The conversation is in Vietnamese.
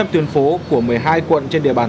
tuyên phố của một mươi hai quận trên địa bàn